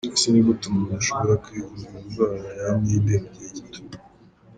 Ese ni gute umuntu ashobora kwivura iyi ndwara ya amibe mu gihe gito?.